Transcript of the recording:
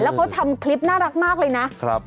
แล้วเขาทำคลิปน่ารักมากเลยนะ